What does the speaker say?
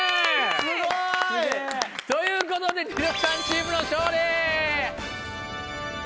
すごい！すげぇ！ということでニノさんチームの勝利！